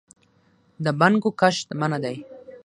د بنګو کښت منع دی